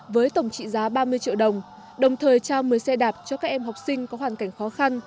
với tổng trị giá ba mươi triệu đồng đồng thời trao một mươi xe đạp cho các em học sinh có hoàn cảnh khó khăn